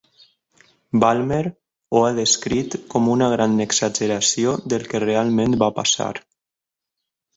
Ballmer ho ha descrit com una gran exageració del que realment va passar.